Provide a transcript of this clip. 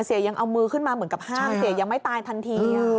ยังเอามือขึ้นมาเหมือนกับห้ามเสียยังไม่ตายทันที